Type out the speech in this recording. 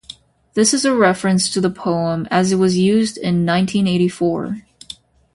This is a reference to the poem as it was used in "Nineteen Eighty-Four".